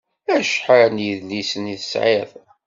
Acḥal n yedlisen i tesɛiḍ?